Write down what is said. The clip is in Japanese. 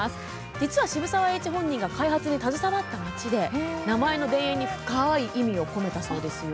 実は渋沢栄一本人が開発に携わった町で名前の「田園」に深い意味を込めたそうですよ。